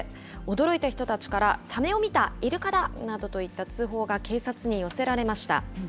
驚いた人たちから、サメを見た、イルカだなどといった通報が警察に寄せられました。